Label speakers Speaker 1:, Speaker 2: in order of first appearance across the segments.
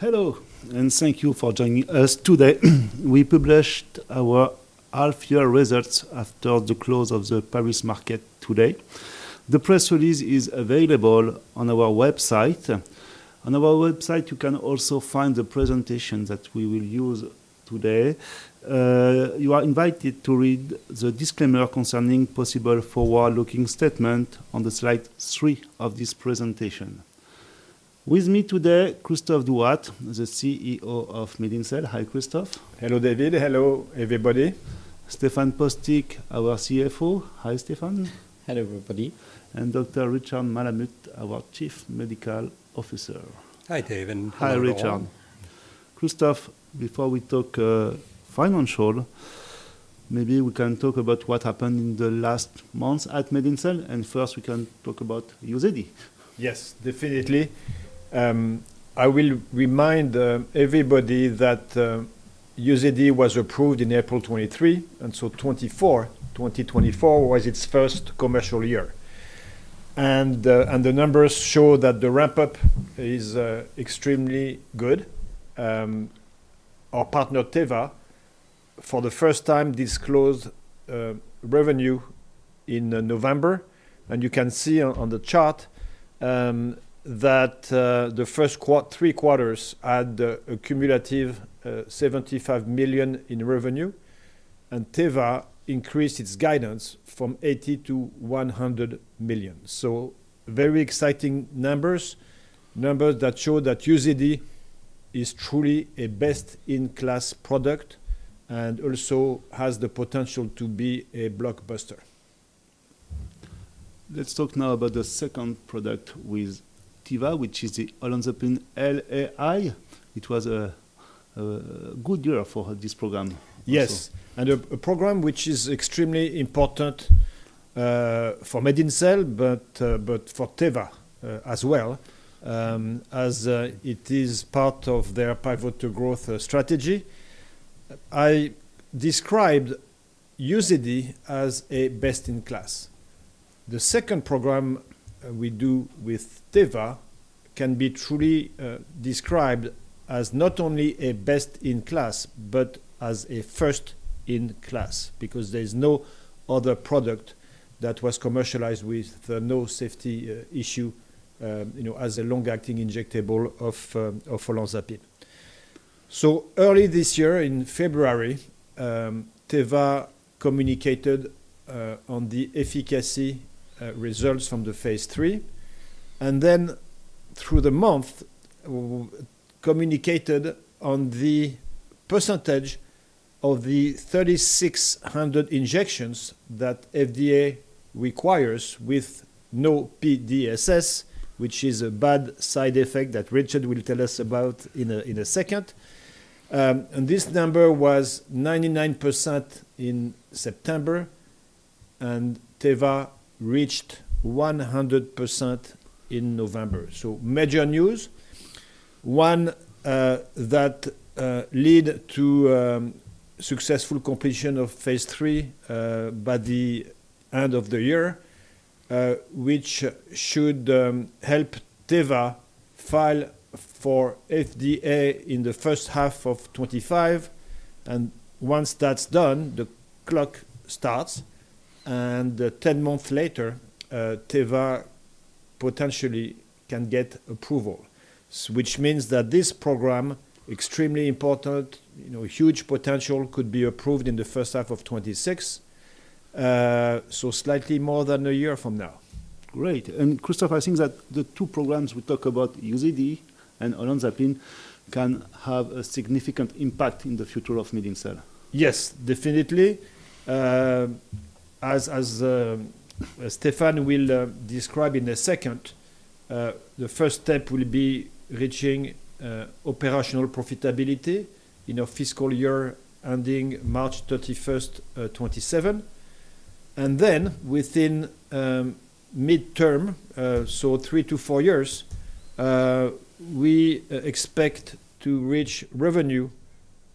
Speaker 1: Hello, and thank you for joining us today. We published our half-year results after the close of the Paris market today. The press release is available on our website. On our website, you can also find the presentation that we will use today. You are invited to read the disclaimer concerning possible forward-looking statement on slide 3 of this presentation. With me today, Christophe Douat, the CEO of MedinCell. Hi, Christophe.
Speaker 2: Hello, David. Hello, everybody.
Speaker 1: Stéphane Postic, our CFO. Hi, Stéphane.
Speaker 3: Hello, everybody.
Speaker 1: Dr. Richard Malamut, our Chief Medical Officer.
Speaker 4: Hi, David.
Speaker 1: Hi, Richard. Christophe, before we talk financial, maybe we can talk about what happened in the last months at MedinCell. And first, we can talk about UZEDY.
Speaker 4: Yes, definitely. I will remind everybody that UZEDY was approved in April 2023, and so 2024, 2024, was its first commercial year. And the numbers show that the ramp-up is extremely good. Our partner, Teva, for the first time, disclosed revenue in November. And you can see on the chart that the first three quarters had a cumulative $75 million in revenue. And Teva increased its guidance from $80 million to $100 million. So very exciting numbers, numbers that show that UZEDY is truly a best-in-class product and also has the potential to be a blockbuster.
Speaker 1: Let's talk now about the second product with Teva, which is the olanzapine LAI. It was a good year for this program.
Speaker 2: Yes, and a program which is extremely important for MedinCell, but for Teva as well, as it is part of their pivotal growth strategy. I described UZEDY as a best-in-class. The second program we do with Teva can be truly described as not only a best-in-class, but as a first-in-class, because there is no other product that was commercialized with no safety issue as a long-acting injectable of olanzapine. So early this year, in February, Teva communicated on the efficacy results from Phase 3. And then through the month, we communicated on the percentage of the 3,600 injections that FDA requires with no PDSS, which is a bad side effect that Richard will tell us about in a second. And this number was 99% in September, and Teva reached 100% in November. Major news, one that led to successful completion of Phase 3 by the end of the year, which should help Teva file for FDA in the first half of 2025. And once that's done, the clock starts, and 10 months later, Teva potentially can get approval, which means that this program, extremely important, huge potential, could be approved in the first half of 2026, so slightly more than a year from now.
Speaker 1: Great. And Christophe, I think that the two programs we talk about, UZEDY and olanzapine, can have a significant impact in the future of MedinCell.
Speaker 2: Yes, definitely. As Stéphane will describe in a second, the first step will be reaching operational profitability in our fiscal year ending March 31, 2027. And then within midterm, so three to four years, we expect to reach revenue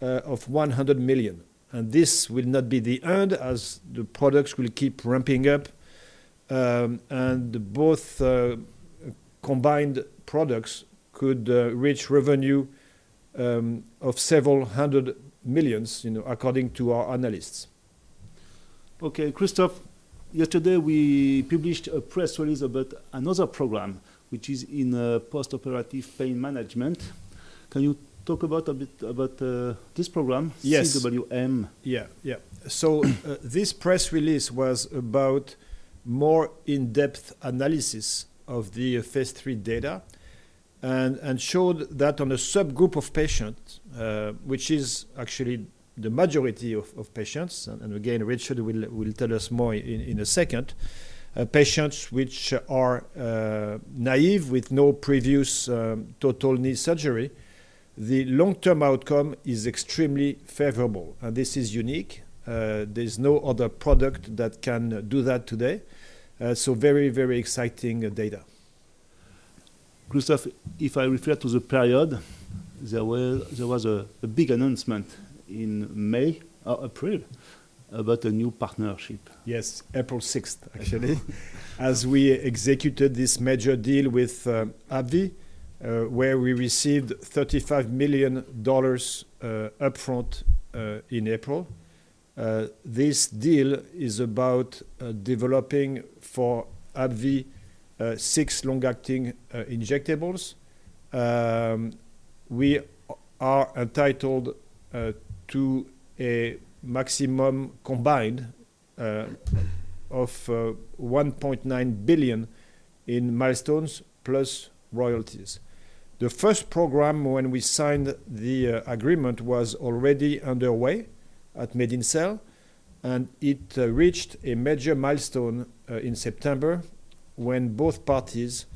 Speaker 2: of 100 million. And this will not be the end, as the products will keep ramping up. And both combined products could reach revenue of several hundred millions, according to our analysts.
Speaker 1: Okay, Christophe, yesterday we published a press release about another program, which is in post-operative pain management. Can you talk a bit about this program, CWM?
Speaker 2: Yes. Yeah, yeah. So this press release was about more in-depth analysis of the Phase 3 data and showed that on a subgroup of patients, which is actually the majority of patients, and again, Richard will tell us more in a second, patients which are naive with no previous total knee surgery, the long-term outcome is extremely favorable. And this is unique. There is no other product that can do that today. So very, very exciting data.
Speaker 1: Christophe, if I refer to the period, there was a big announcement in May or April about a new partnership.
Speaker 2: Yes, April 6, actually, as we executed this major deal with AbbVie, where we received $35 million upfront in April. This deal is about developing for AbbVie six long-acting injectables. We are entitled to a maximum combined of $1.9 billion in milestones plus royalties. The first program, when we signed the agreement, was already underway at MedinCell, and it reached a major milestone in September when both parties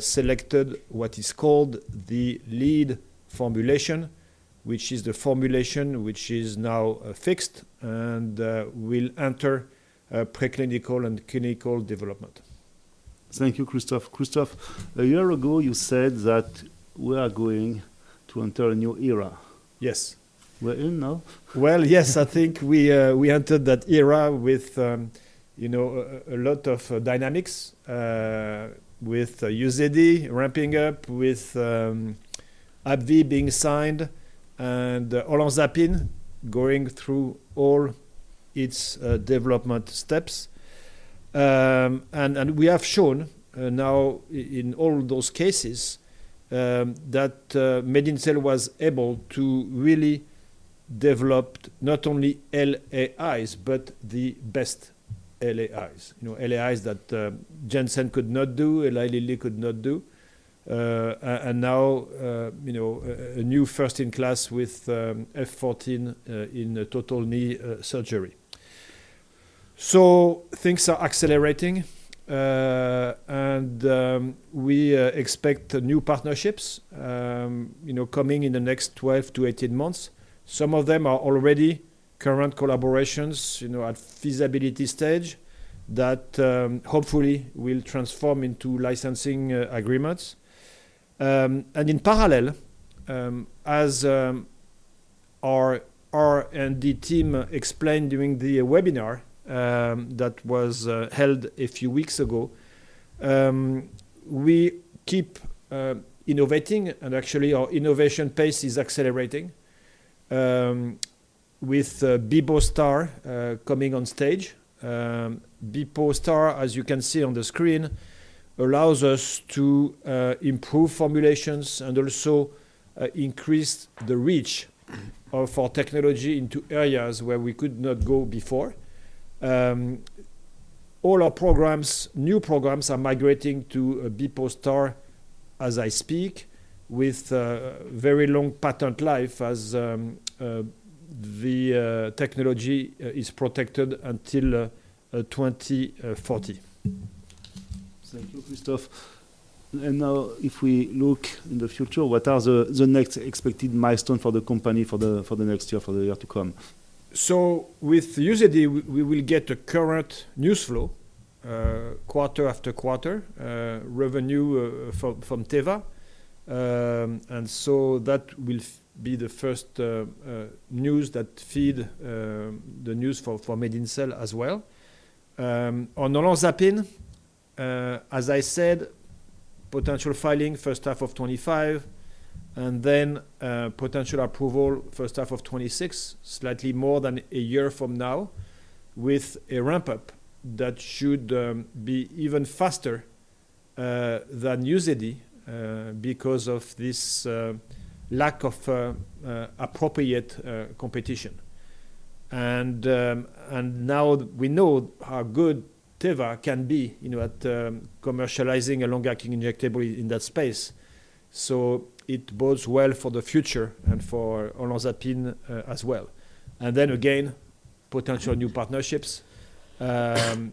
Speaker 2: selected what is called the lead formulation, which is the formulation which is now fixed and will enter preclinical and clinical development.
Speaker 1: Thank you, Christophe. Christophe, a year ago, you said that we are going to enter a new era.
Speaker 2: Yes.
Speaker 1: We're in now?
Speaker 2: Yes, I think we entered that era with a lot of dynamics, with UZEDY ramping up, with AbbVie being signed, and olanzapine going through all its development steps. We have shown now in all those cases that MedinCell was able to really develop not only LAIs, but the best LAIs, LAIs that Janssen could not do, Eli Lilly could not do. Now a new first-in-class with F14 in total knee surgery. Things are accelerating, and we expect new partnerships coming in the next 12 to 18 months. Some of them are already current collaborations at feasibility stage that hopefully will transform into licensing agreements. In parallel, as our R&D team explained during the webinar that was held a few weeks ago, we keep innovating, and actually our innovation pace is accelerating with BEPO coming on stage. BEPO®, as you can see on the screen, allows us to improve formulations and also increase the reach of our technology into areas where we could not go before. All our programs, new programs, are migrating to BEPO® as I speak, with very long patent life as the technology is protected until 2040.
Speaker 1: Thank you, Christophe. And now, if we look in the future, what are the next expected milestones for the company for the next year, for the year to come?
Speaker 2: So with UZEDY, we will get a current news flow quarter after quarter, revenue from Teva, and so that will be the first news that feeds the news for MedinCell as well. On olanzapine, as I said, potential filing first half of 2025, and then potential approval first half of 2026, slightly more than a year from now, with a ramp-up that should be even faster than UZEDY because of this lack of appropriate competition, and now we know how good Teva can be at commercializing a long-acting injectable in that space, so it bodes well for the future and for olanzapine as well, and then again, potential new partnerships,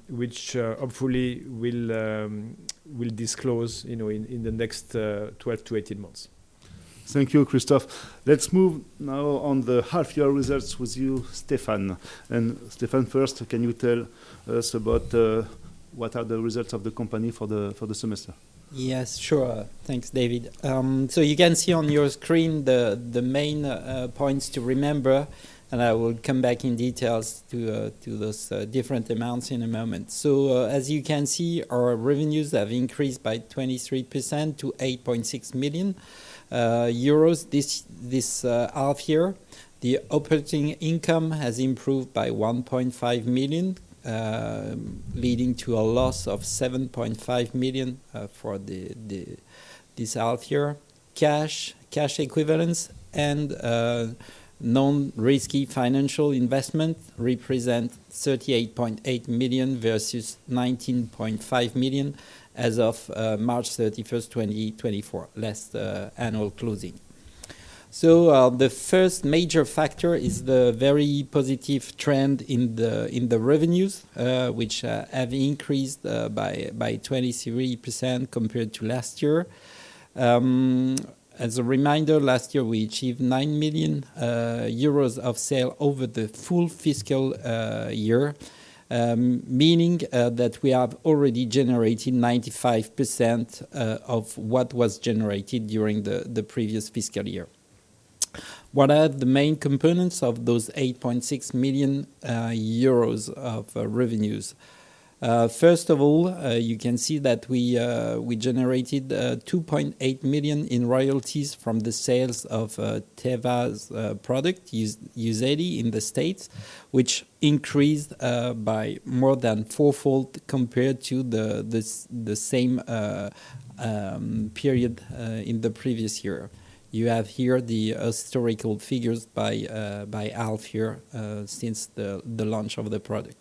Speaker 2: which hopefully we'll disclose in the next 12 to 18 months.
Speaker 1: Thank you, Christophe. Let's move now on the half-year results with you, Stéphane. And Stéphane first, can you tell us about what are the results of the company for the semester?
Speaker 3: Yes, sure. Thanks, David. So you can see on your screen the main points to remember, and I will come back in detail to those different amounts in a moment. So as you can see, our revenues have increased by 23% to 8.6 million euros this half year. The operating income has improved by 1.5 million, leading to a loss of 7.5 million for this half year. Cash equivalents and non-risky financial investments represent 38.8 million versus 19.5 million as of March 31, 2024, last annual closing. So the first major factor is the very positive trend in the revenues, which have increased by 23% compared to last year. As a reminder, last year, we achieved 9 million euros of sale over the full fiscal year, meaning that we have already generated 95% of what was generated during the previous fiscal year. What are the main components of those 8.6 million euros of revenues? First of all, you can see that we generated 2.8 million in royalties from the sales of Teva's product, UZEDY, in the States, which increased by more than fourfold compared to the same period in the previous year. You have here the historical figures by half year since the launch of the product,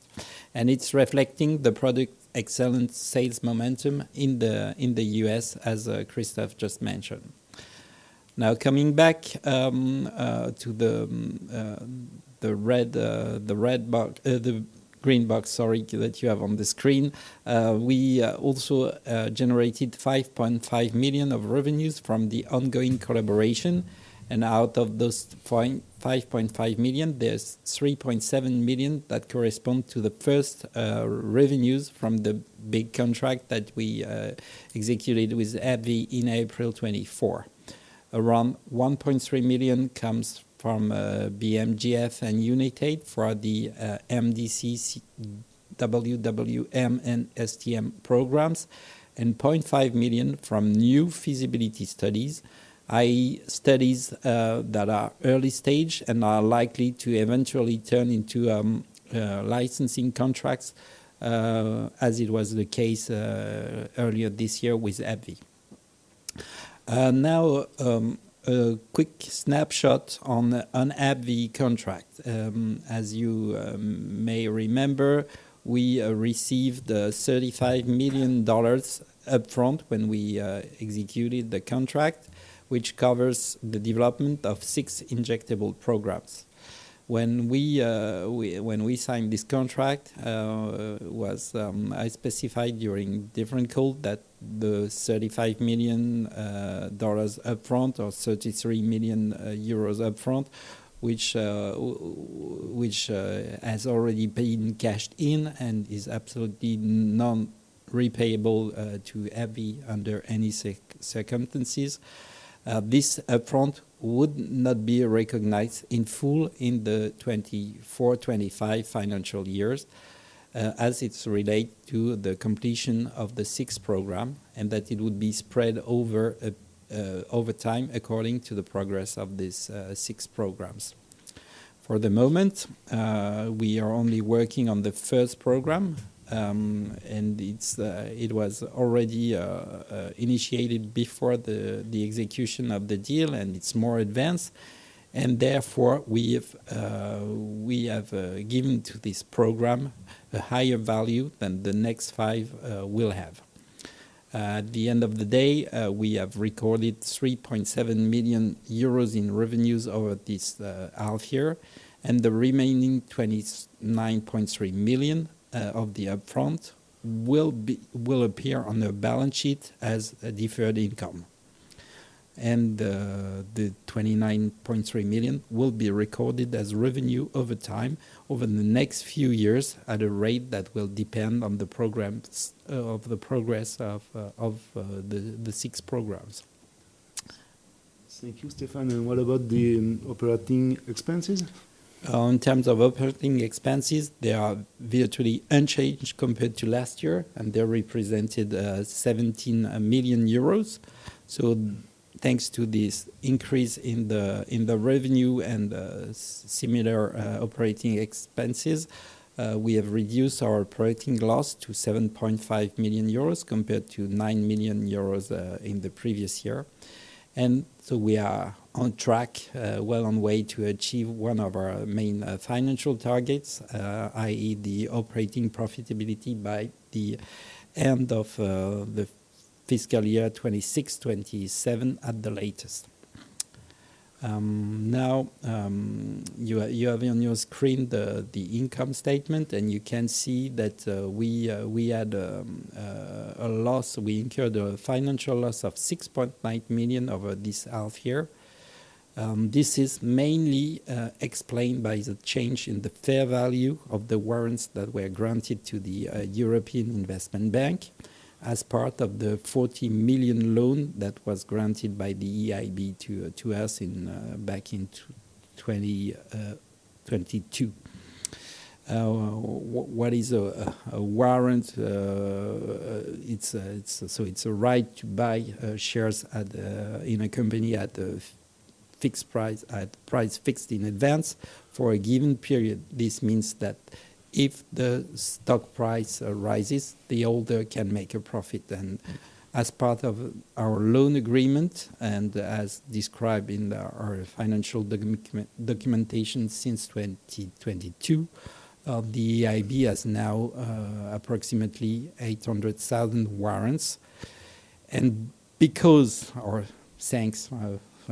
Speaker 3: and it's reflecting the product's excellent sales momentum in the U.S., as Christophe just mentioned. Now, coming back to the green box, sorry, that you have on the screen, we also generated 5.5 million of revenues from the ongoing collaboration. And out of those 5.5 million, there's 3.7 million that correspond to the first revenues from the big contract that we executed with AbbVie in April 2024. Around 1.3 million comes from BMGF and Unitaid for the mdc-CWM and mdc-STM programs, and 0.5 million from new feasibility studies, i.e., studies that are early stage and are likely to eventually turn into licensing contracts, as it was the case earlier this year with AbbVie. Now, a quick snapshot on an AbbVie contract. As you may remember, we received $35 million upfront when we executed the contract, which covers the development of six injectable programs. When we signed this contract, I specified during different calls that the $35 million upfront or 33 million euros upfront, which has already been cashed in and is absolutely non-repayable to AbbVie under any circumstances, this upfront would not be recognized in full in the 2024, 2025 financial years as it relates to the completion of the six programs, and that it would be spread over time according to the progress of these six programs. For the moment, we are only working on the first program, and it was already initiated before the execution of the deal, and it's more advanced. And therefore, we have given to this program a higher value than the next five will have. At the end of the day, we have recorded 3.7 million euros in revenues over this half year, and the remaining 29.3 million of the upfront will appear on the balance sheet as deferred income, and the 29.3 million will be recorded as revenue over time over the next few years at a rate that will depend on the progress of the six programs.
Speaker 1: Thank you, Stéphane. And what about the operating expenses?
Speaker 3: In terms of operating expenses, they are virtually unchanged compared to last year, and they represented 17 million euros. So thanks to this increase in the revenue and similar operating expenses, we have reduced our operating loss to 7.5 million euros compared to 9 million euros in the previous year. And so we are on track, well on way to achieve one of our main financial targets, i.e., the operating profitability by the end of the fiscal year 2026-2027 at the latest. Now, you have on your screen the income statement, and you can see that we had a loss. We incurred a financial loss of 6.9 million over this half year. This is mainly explained by the change in the fair value of the warrants that were granted to the European Investment Bank as part of the €40 million loan that was granted by the EIB to us back in 2022. What is a warrant? It's a right to buy shares in a company at a fixed price, price fixed in advance for a given period. This means that if the stock price rises, the holder can make a profit. As part of our loan agreement, and as described in our financial documentation since 2022, the EIB has now approximately 800,000 warrants. And because or thanks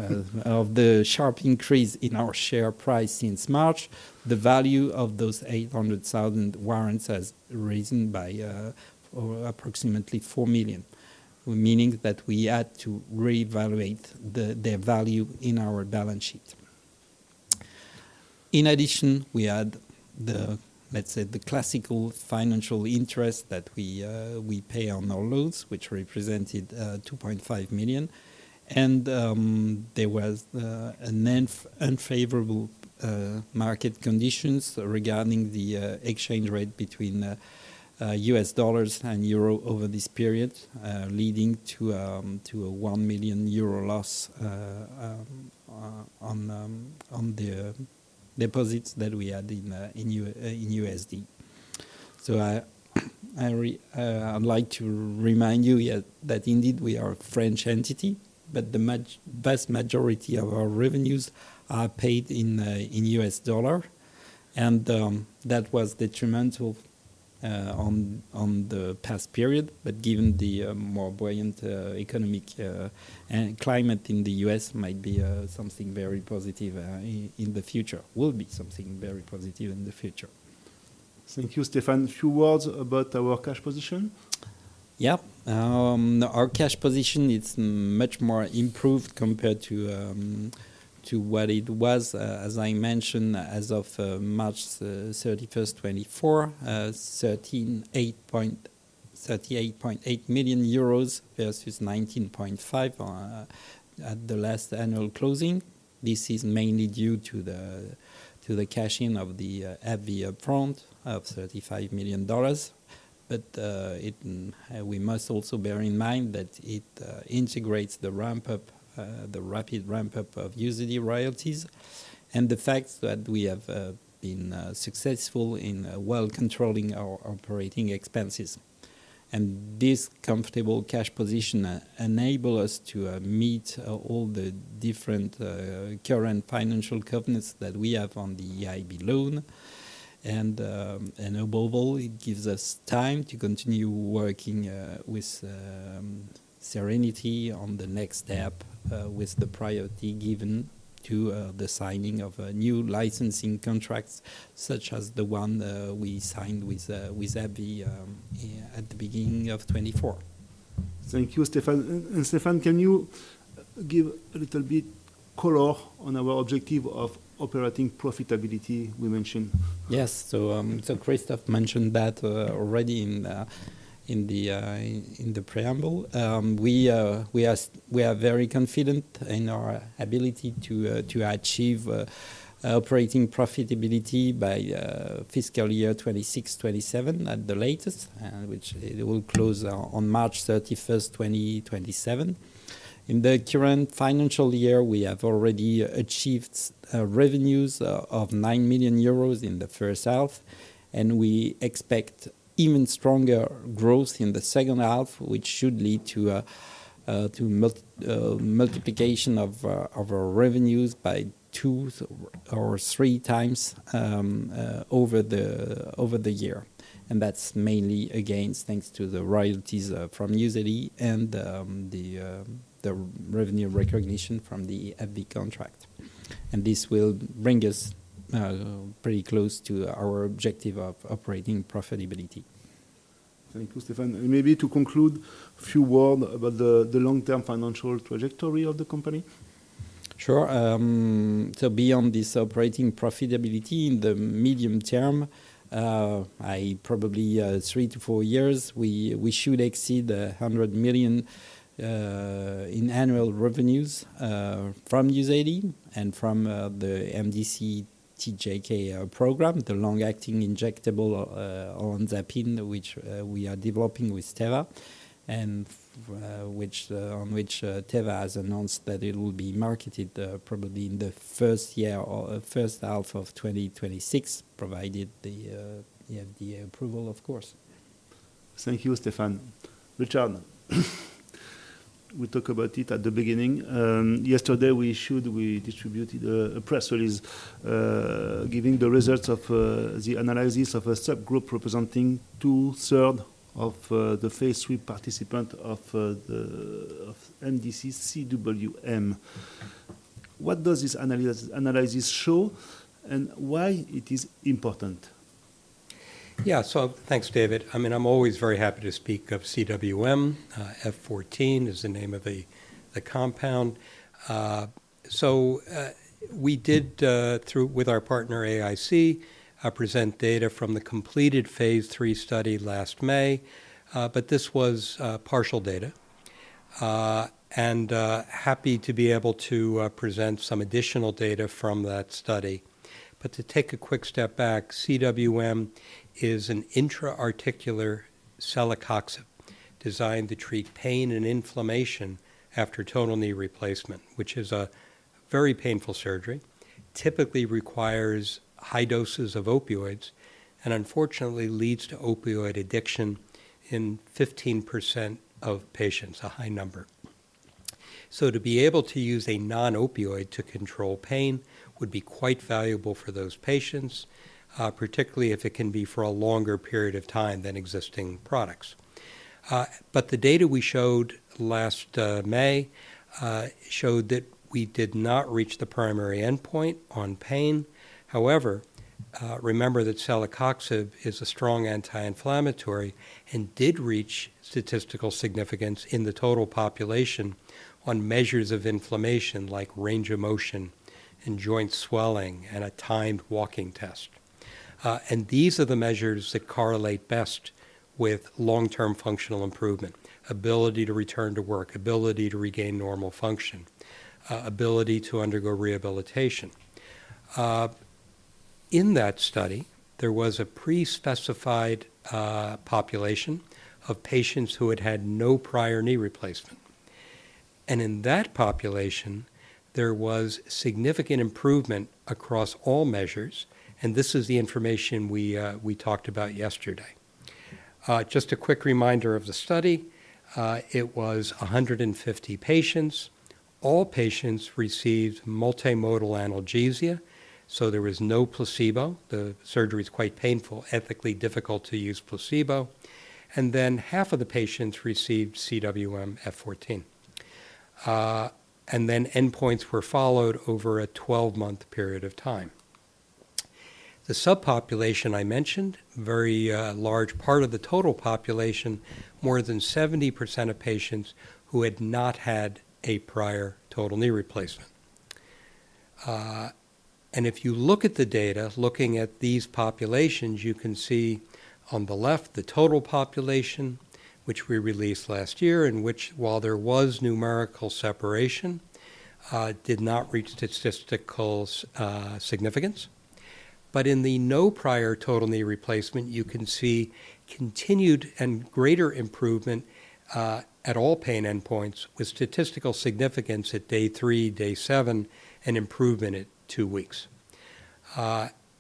Speaker 3: to the sharp increase in our share price since March, the value of those 800,000 warrants has risen by approximately €4 million, meaning that we had to reevaluate their value in our balance sheet. In addition, we had the, let's say, the classical financial interest that we pay on our loans, which represented 2.5 million, and there were unfavorable market conditions regarding the exchange rate between U.S. dollars and euro over this period, leading to a 1 million euro loss on the deposits that we had in USD, so I'd like to remind you that indeed we are a French entity, but the vast majority of our revenues are paid in U.S. dollars, and that was detrimental on the past period, but given the more buoyant economic climate in the U.S., might be something very positive in the future, will be something very positive in the future.
Speaker 1: Thank you, Stéphane. A few words about our cash position?
Speaker 3: Yeah. Our cash position is much more improved compared to what it was, as I mentioned, as of March 31, 2024, 38.8 million euros versus 19.5 million EUR at the last annual closing. This is mainly due to the cashing of the AbbVie upfront of $35 million. But we must also bear in mind that it integrates the ramp-up, the rapid ramp-up of UZEDY royalties, and the fact that we have been successful in well controlling our operating expenses. And this comfortable cash position enables us to meet all the different current financial covenants that we have on the EIB loan. And above all, it gives us time to continue working with serenity on the next step with the priority given to the signing of new licensing contracts, such as the one we signed with AbbVie at the beginning of 2024.
Speaker 1: Thank you, Stéphane. And Stéphane, can you give a little bit color on our objective of operating profitability we mentioned?
Speaker 3: Yes. So Christophe mentioned that already in the preamble. We are very confident in our ability to achieve operating profitability by fiscal year 2026-2027 at the latest, which will close on March 31, 2027. In the current financial year, we have already achieved revenues of nine million EUR in the first half, and we expect even stronger growth in the second half, which should lead to a multiplication of our revenues by two or three times over the year. And that's mainly again thanks to the royalties from UZEDY and the revenue recognition from the AbbVie contract. And this will bring us pretty close to our objective of operating profitability.
Speaker 1: Thank you, Stéphane. And maybe to conclude, a few words about the long-term financial trajectory of the company.
Speaker 3: Sure. Beyond this operating profitability in the medium term, in probably three to four years, we should exceed EUR 100 million in annual revenues from UZEDY and from the mdc-TJK program, the long-acting injectable olanzapine, which we are developing with Teva, and on which Teva has announced that it will be marketed probably in the first half of 2026, provided they have the approval, of course.
Speaker 1: Thank you, Stéphane. Richard, we talked about it at the beginning. Yesterday, we issued, we distributed a press release giving the results of the analysis of a subgroup representing two-thirds of the Phase 3 participants of mdc-CWM. What does this analysis show and why is it important?
Speaker 4: Yeah, so thanks, David. I mean, I'm always very happy to speak of CWM. F14 is the name of the compound, so we did, through with our partner AIC, present data from the completed Phase 3 study last May, but this was partial data, and happy to be able to present some additional data from that study, but to take a quick step back, CWM is an intra-articular celecoxib designed to treat pain and inflammation after total knee replacement, which is a very painful surgery, typically requires high doses of opioids, and unfortunately leads to opioid addiction in 15% of patients, a high number, so to be able to use a non-opioid to control pain would be quite valuable for those patients, particularly if it can be for a longer period of time than existing products. But the data we showed last May showed that we did not reach the primary endpoint on pain. However, remember that celecoxib is a strong anti-inflammatory and did reach statistical significance in the total population on measures of inflammation like range of motion and joint swelling and a timed walking test. And these are the measures that correlate best with long-term functional improvement, ability to return to work, ability to regain normal function, ability to undergo rehabilitation. In that study, there was a pre-specified population of patients who had had no prior knee replacement. And in that population, there was significant improvement across all measures, and this is the information we talked about yesterday. Just a quick reminder of the study. It was 150 patients. All patients received multimodal analgesia, so there was no placebo. The surgery is quite painful, ethically difficult to use placebo. Half of the patients received mdc-CWM F14. Endpoints were followed over a 12-month period of time. The subpopulation I mentioned, very large part of the total population, more than 70% of patients who had not had a prior total knee replacement. If you look at the data, looking at these populations, you can see on the left the total population, which we released last year, in which, while there was numerical separation, did not reach statistical significance. In the no prior total knee replacement, you can see continued and greater improvement at all pain endpoints with statistical significance at day three, day seven, and improvement at two weeks.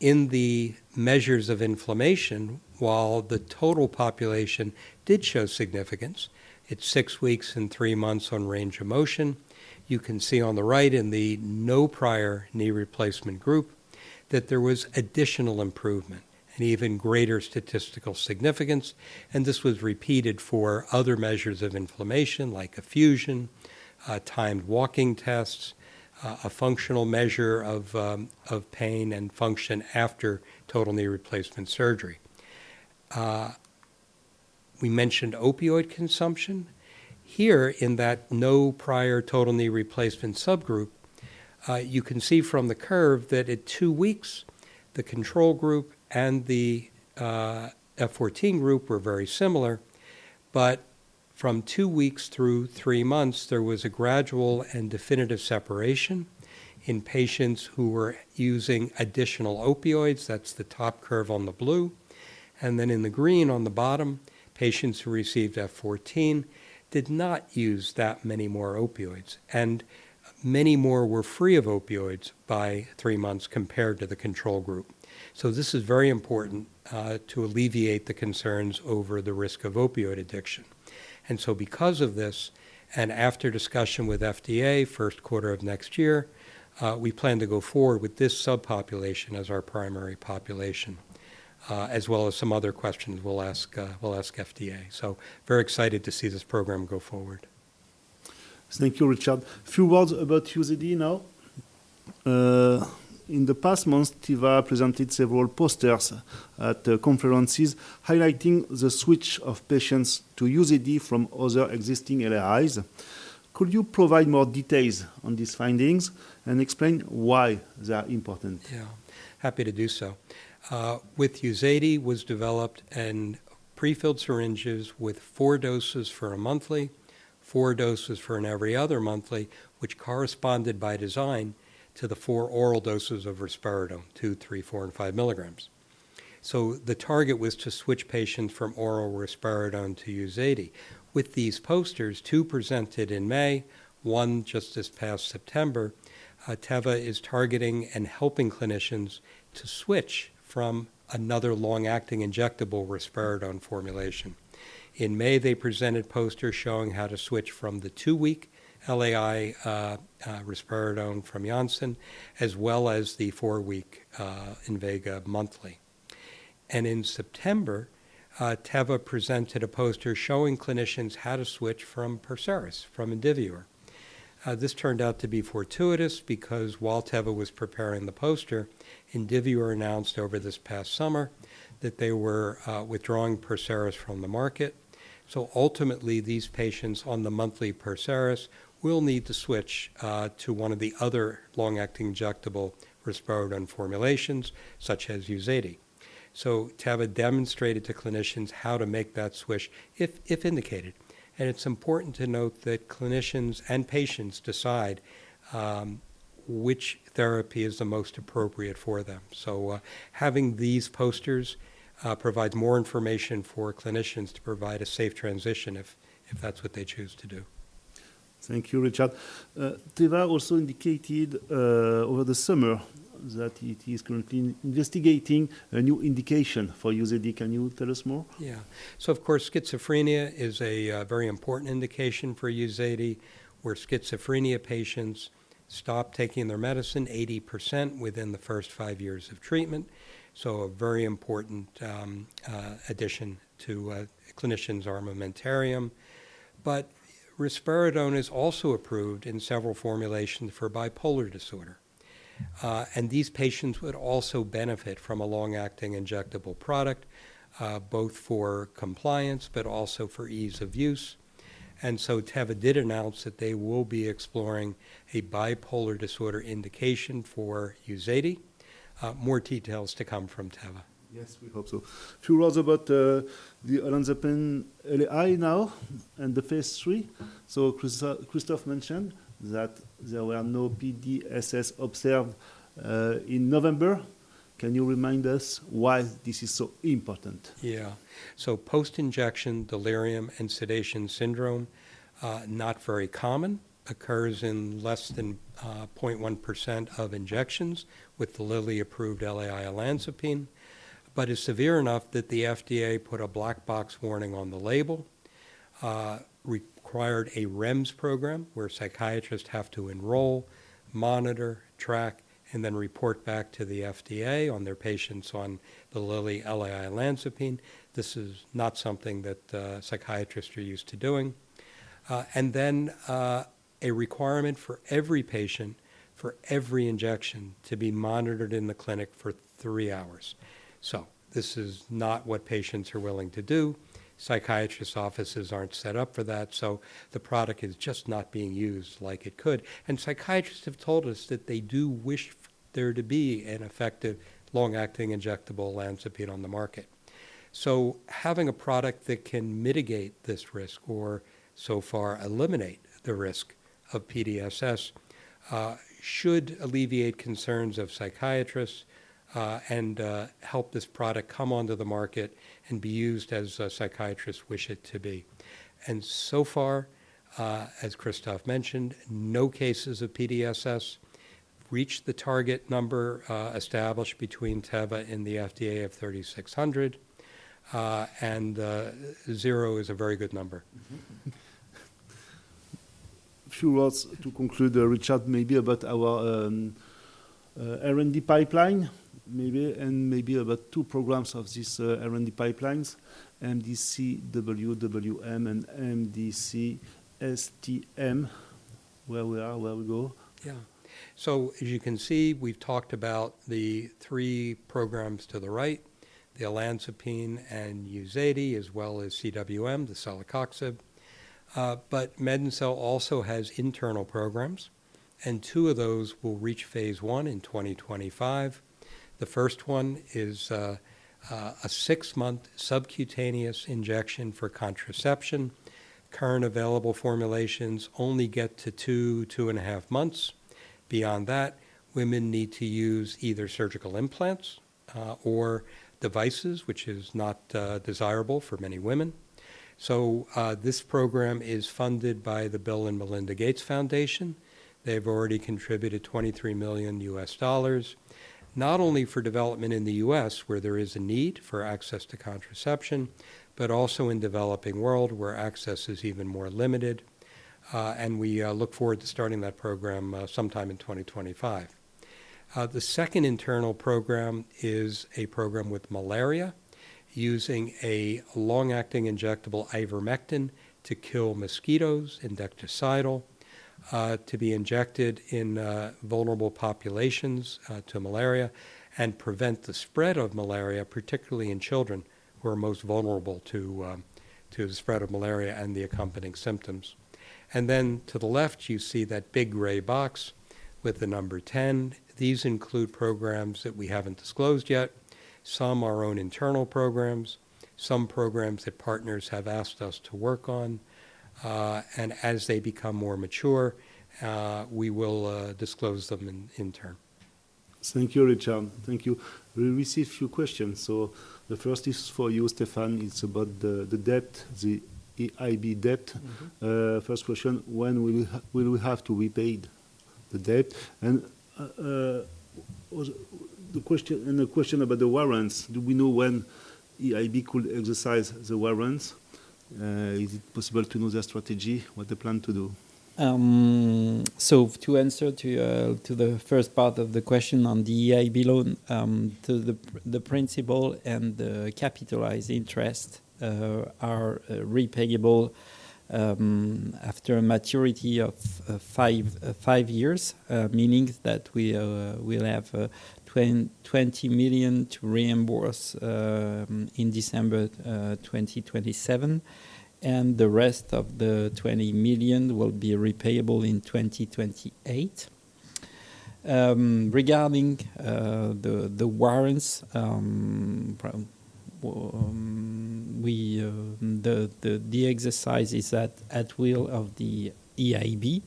Speaker 4: In the measures of inflammation, while the total population did show significance at six weeks and three months on range of motion, you can see on the right in the no prior knee replacement group that there was additional improvement and even greater statistical significance, and this was repeated for other measures of inflammation like effusion, timed walking tests, a functional measure of pain and function after total knee replacement surgery. We mentioned opioid consumption. Here, in that no prior total knee replacement subgroup, you can see from the curve that at two weeks, the control group and the F14 group were very similar. But from two weeks through three months, there was a gradual and definitive separation in patients who were using additional opioids. That's the top curve on the blue. And then in the green on the bottom, patients who received F14 did not use that many more opioids. And many more were free of opioids by three months compared to the control group. So this is very important to alleviate the concerns over the risk of opioid addiction. And so because of this, and after discussion with FDA first quarter of next year, we plan to go forward with this subpopulation as our primary population, as well as some other questions we'll ask FDA. So very excited to see this program go forward.
Speaker 1: Thank you, Richard. A few words about UZEDY now. In the past months, Teva presented several posters at conferences highlighting the switch of patients to UZEDY from other existing LAIs. Could you provide more details on these findings and explain why they are important?
Speaker 4: Yeah. Happy to do so. With UZEDY, was developed in prefilled syringes with four doses for a monthly, four doses for an every other monthly, which corresponded by design to the four oral doses of risperidone, two, three, four, and five milligrams. So the target was to switch patients from oral risperidone to UZEDY. With these posters, two presented in May, one just this past September, Teva is targeting and helping clinicians to switch from another long-acting injectable risperidone formulation. In May, they presented posters showing how to switch from the two-week LAI risperidone from Janssen, as well as the four-week Invega monthly. And in September, Teva presented a poster showing clinicians how to switch from Perseris, from Indivior. This turned out to be fortuitous because while Teva was preparing the poster, Indivior announced over this past summer that they were withdrawing Perseris from the market. Ultimately, these patients on the monthly Perseris will need to switch to one of the other long-acting injectable risperidone formulations, such as UZEDY. Teva demonstrated to clinicians how to make that switch if indicated. It's important to note that clinicians and patients decide which therapy is the most appropriate for them. Having these posters provides more information for clinicians to provide a safe transition if that's what they choose to do.
Speaker 1: Thank you, Richard. Teva also indicated over the summer that it is currently investigating a new indication for UZEDY. Can you tell us more?
Speaker 4: Yeah. So of course, schizophrenia is a very important indication for UZEDY, where schizophrenia patients stop taking their medicine 80% within the first five years of treatment. So a very important addition to clinicians' armamentarium. But risperidone is also approved in several formulations for bipolar disorder. And these patients would also benefit from a long-acting injectable product, both for compliance, but also for ease of use. And so Teva did announce that they will be exploring a bipolar disorder indication for UZEDY. More details to come from Teva.
Speaker 1: Yes, we hope so. A few words about the olanzapine LAI now and the Phase 3. So Christophe mentioned that there were no PDSS observed in November. Can you remind us why this is so important?
Speaker 4: Yeah. So post-injection delirium and sedation syndrome, not very common, occurs in less than 0.1% of injections with the Lilly-approved LAI olanzapine, but is severe enough that the FDA put a black box warning on the label, required a REMS program where psychiatrists have to enroll, monitor, track, and then report back to the FDA on their patients on the Lilly LAI olanzapine. This is not something that psychiatrists are used to doing. And then a requirement for every patient, for every injection, to be monitored in the clinic for three hours. So this is not what patients are willing to do. Psychiatrists' offices aren't set up for that. So the product is just not being used like it could. And psychiatrists have told us that they do wish there to be an effective long-acting injectable olanzapine on the market. So having a product that can mitigate this risk or so far eliminate the risk of PDSS should alleviate concerns of psychiatrists and help this product come onto the market and be used as psychiatrists wish it to be. And so far, as Christophe mentioned, no cases of PDSS reached the target number established between Teva and the FDA of 3,600. And zero is a very good number.
Speaker 1: A few words to conclude, Richard, maybe about our R&D pipeline, maybe, and maybe about two programs of these R&D pipelines, mdc-CWM and mdc-STM, where we are, where we go.
Speaker 4: Yeah. So as you can see, we've talked about the three programs to the right, the olanzapine and UZEDY, as well as CWM, the celecoxib. But MedinCell also has internal programs, and two of those will reach Phase 1 in 2025. The first one is a six-month subcutaneous injection for contraception. Current available formulations only get to two, two and a half months. Beyond that, women need to use either surgical implants or devices, which is not desirable for many women. So this program is funded by the Bill and Melinda Gates Foundation. They've already contributed $23 million, not only for development in the U.S., where there is a need for access to contraception, but also in the developing world where access is even more limited. And we look forward to starting that program sometime in 2025. The second internal program is a program with malaria using a long-acting injectable ivermectin to kill mosquitoes, insecticidal, to be injected in vulnerable populations to malaria and prevent the spread of malaria, particularly in children who are most vulnerable to the spread of malaria and the accompanying symptoms. Then to the left, you see that big gray box with the number 10. These include programs that we haven't disclosed yet. Some are our own internal programs, some programs that partners have asked us to work on. As they become more mature, we will disclose them in turn.
Speaker 1: Thank you, Richard. Thank you. We received a few questions. So the first is for you, Stéphane. It's about the debt, the EIB debt. First question, when will we have to repay the debt? And the question about the warrants, do we know when EIB could exercise the warrants? Is it possible to know their strategy, what they plan to do?
Speaker 3: To answer to the first part of the question on the EIB loan, the principal and the capitalized interest are repayable after a maturity of five years, meaning that we will have 20 million to reimburse in December 2027. The rest of the 20 million will be repayable in 2028. Regarding the warrants, the exercise is at will of the EIB.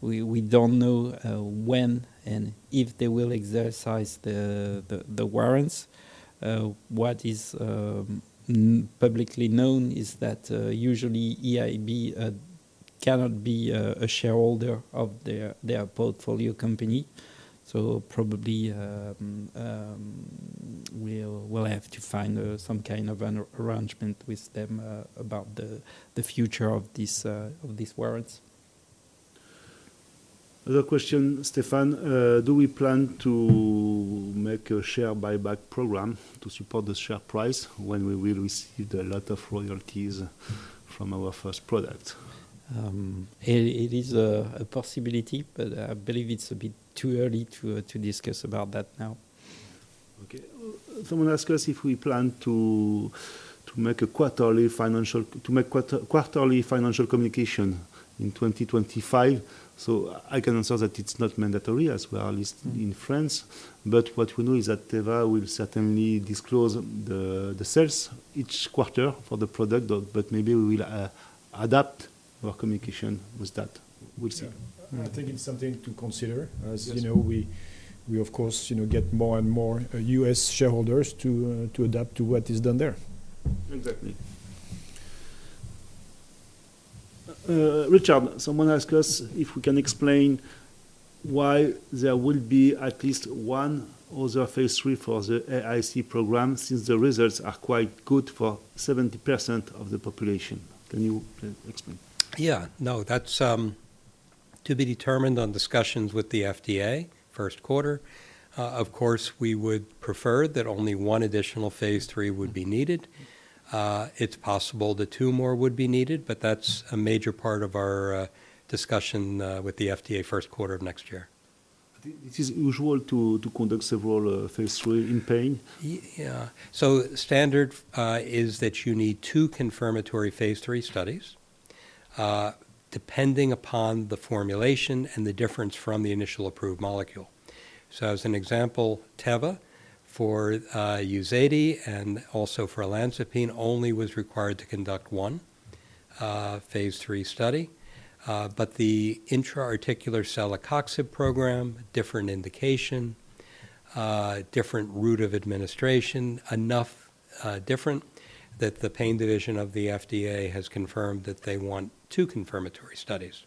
Speaker 3: We don't know when and if they will exercise the warrants. What is publicly known is that usually EIB cannot be a shareholder of their portfolio company. Probably we'll have to find some kind of an arrangement with them about the future of these warrants.
Speaker 1: Another question, Stéphane. Do we plan to make a share buyback program to support the share price when we will receive a lot of royalties from our first product?
Speaker 3: It is a possibility, but I believe it's a bit too early to discuss about that now.
Speaker 1: Okay. Someone asked us if we plan to make a quarterly financial communication in 2025. So I can answer that it's not mandatory as we are listed in France. But what we know is that Teva will certainly disclose the sales each quarter for the product, but maybe we will adapt our communication with that. We'll see. I think it's something to consider. As you know, we, of course, get more and more U.S. shareholders to adapt to what is done there.
Speaker 3: Exactly.
Speaker 1: Richard, someone asked us if we can explain why there will be at least one or the Phase 3 for the AIC program since the results are quite good for 70% of the population? Can you explain?
Speaker 4: Yeah. No, that's to be determined on discussions with the FDA first quarter. Of course, we would prefer that only one additional Phase 3 would be needed. It's possible that two more would be needed, but that's a major part of our discussion with the FDA first quarter of next year.
Speaker 1: It is usual to conduct several Phase 3 in pain.
Speaker 4: Yeah. So standard is that you need two confirmatory Phase 3 studies, depending upon the formulation and the difference from the initial approved molecule. So as an example, Teva for UZEDY and also for olanzapine only was required to conduct one Phase 3 study. But the intra-articular celecoxib program, different indication, different route of administration, enough different that the pain division of the FDA has confirmed that they want two confirmatory studies.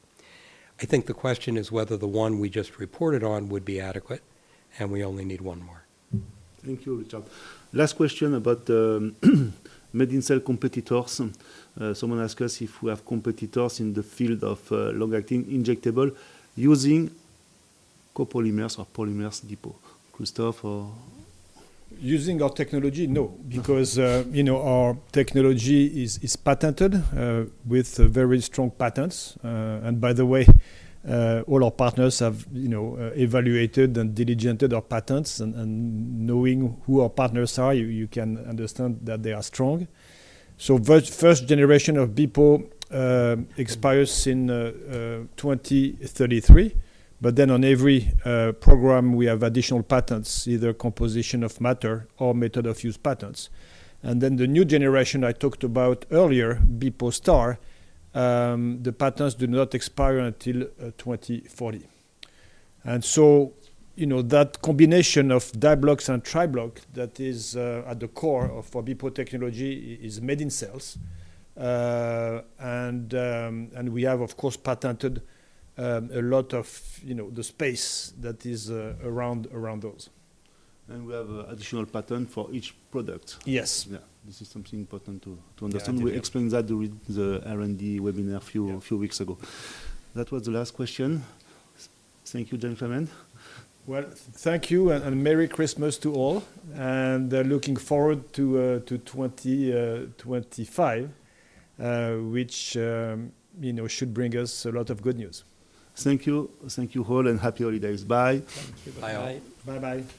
Speaker 4: I think the question is whether the one we just reported on would be adequate, and we only need one more.
Speaker 1: Thank you, Richard. Last question about MedinCell competitors. Someone asked us if we have competitors in the field of long-acting injectable using copolymers or polymers depot. Using our technology, no, because our technology is patented with very strong patents. And by the way, all our partners have evaluated and diligenced our patents. And knowing who our partners are, you can understand that they are strong. So first generation of BEPO expires in 2033. But then on every program, we have additional patents, either composition of matter or method of use patents. And then the new generation I talked about earlier, BEPO, the patents do not expire until 2040. And so that combination of diblocks and triblocks that is at the core of our BEPO technology is MedinCell's. And we have, of course, patented a lot of the space that is around those. We have additional patent for each product.
Speaker 4: Yes.
Speaker 1: Yeah. This is something important to understand. We explained that in the R&D webinar a few weeks ago. That was the last question. Thank you, Gentleman.
Speaker 3: Thank you and Merry Christmas to all. Looking forward to 2025, which should bring us a lot of good news.
Speaker 1: Thank you. Thank you all and happy holidays. Bye.
Speaker 3: Thank you.
Speaker 4: Bye-bye.
Speaker 1: Bye-bye.